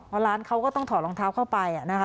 เพราะร้านเขาก็ต้องถอดรองเท้าเข้าไปนะคะ